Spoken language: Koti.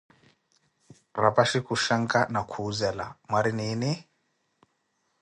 Raphassi khushanka na khuzela: Mwari nini mama?